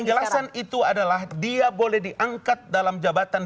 penjelasan itu adalah dia boleh diangkat dalam jabatan